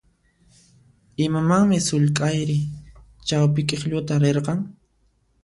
Imamanmi sullk'ayri chawpi k'iklluta rirqan?